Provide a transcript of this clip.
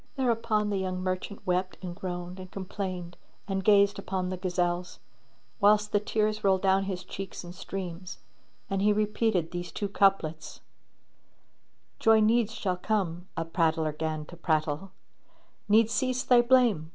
Thereupon the young merchant wept and groaned and complained and gazed upon the gazelles; whilst the tears rolled down his cheeks in streams and he repeated these two couplets, "Joy needs shall come," a prattler 'gan to prattle: * "Needs cease thy blame!"